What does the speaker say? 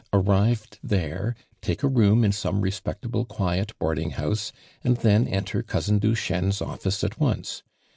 Arrived there, take a room in some respectable ijuiet boarding house, and then enter cousin Duchesne's office at once.